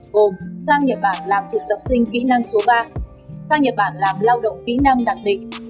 gồm sang nhật bản làm thực tập sinh kỹ năng số ba sang nhật bản làm lao động kỹ năng đặc định